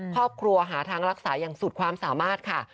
ครอบครัวหาทางรักษาอย่างสุดความสามารถค่ะ